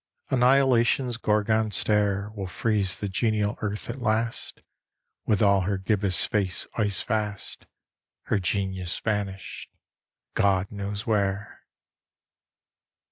Annihilation's Gorgon stare Will freeze the genial Earth at last With all her gibbous face icefast, Her genius vanished God knows where.